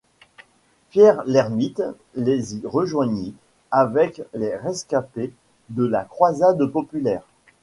Pierre l’Ermite les y rejoignit avec les rescapés de la croisade populaire.